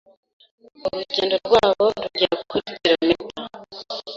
Urugendo rwabo rugera kuri kilometer